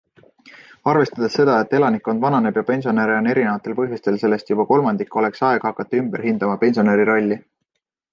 Arvestades seda, et elanikkond vananeb ja pensionäre on erinevatel põhjustel sellest juba kolmandik, oleks aeg hakata ümber hindama pensionäri rolli.